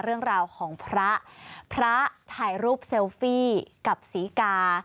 เรื่องราวของพระพระถ่ายรูปเซลฟี่กับศรีกา